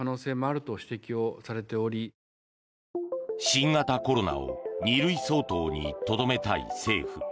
新型コロナを２類相当にとどめたい政府。